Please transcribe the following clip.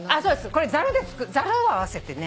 これざるを合わせてね。